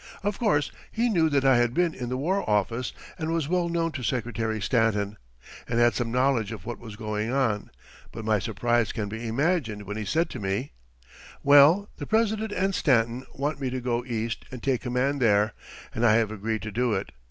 Of course he knew that I had been in the War Office, and was well known to Secretary Stanton, and had some knowledge of what was going on; but my surprise can be imagined when he said to me: "Well, the President and Stanton want me to go East and take command there, and I have agreed to do it.